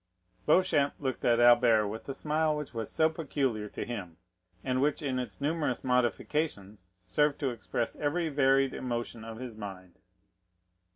Beauchamp looked at Albert with the smile which was so peculiar to him, and which in its numerous modifications served to express every varied emotion of his mind.